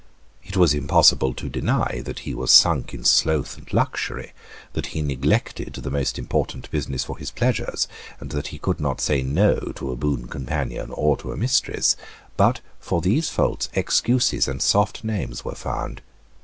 It was impossible to deny that he was sunk in sloth and luxury, that he neglected the most important business for his pleasures, and that he could not say No to a boon companion or to a mistress; but for these faults excuses and soft names were found.